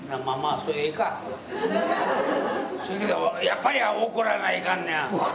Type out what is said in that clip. やっぱり怒らないかんねや。